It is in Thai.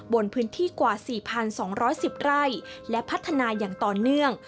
บนพื้นที่กว่า๔๒๑๐ไร่และพัฒนาอย่างต่อเนื่อง